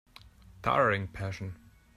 Towering passion